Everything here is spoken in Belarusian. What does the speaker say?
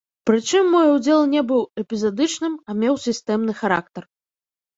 Прычым мой удзел не быў эпізадычным, а меў сістэмны характар.